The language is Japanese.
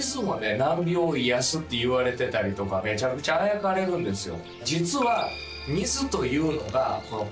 難病を癒やすっていわれてたりとかめちゃくちゃあやかれるんですよ